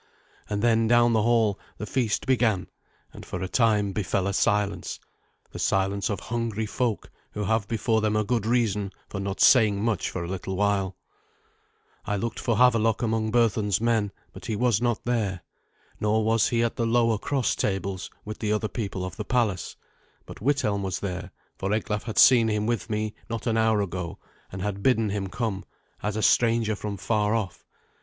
And then down the hall the feast began, and for a time befell a silence the silence of hungry folk who have before them a good reason for not saying much for a little while. I looked for Havelok among Berthun's men, but he was not there. Nor was he at the lower cross tables with the other people of the palace. But Withelm was there, for Eglaf had seen him with me not an hour ago, and had bidden him come, as a stranger from far off.